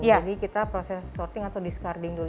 jadi kita proses sorting atau discarding dulu